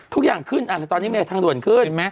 ทุกอย่างขึ้นแต่ตอนนี้มันแค่ทางด่วนขึ้น